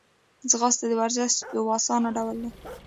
ځغاسته د ورزش یو آسانه ډول دی